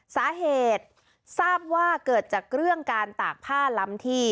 สาเหตุทราบว่าเกิดจากเรื่องการตากผ้าล้ำที่